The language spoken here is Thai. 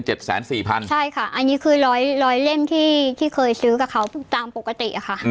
ใช่ค่ะอันนี้คือร้อยร้อยเล่มที่ที่เคยซื้อกับเขาตามปกติอะค่ะ